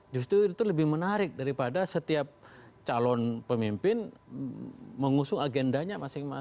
justru itu lebih menarik daripada setiap calon pemimpin mengusung agendanya masing masing